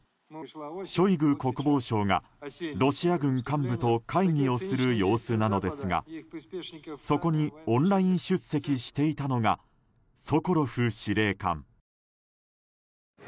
ショイグ国防相がロシア軍幹部と会議をする様子なのですがそこにオンライン出席していたのがソコロフ司令官。